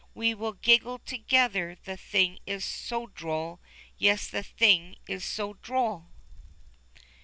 We will giggle together, the thing is so droll, Yes, the thing is so droll.